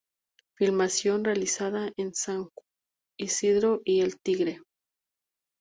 Filmación realizada en San Isidro y en el Tigre.